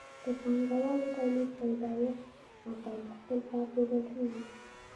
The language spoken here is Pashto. د پانګوالي تولید پیدایښت او تاریخ دلته څیړل کیږي.